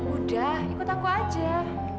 udah ikut aku aja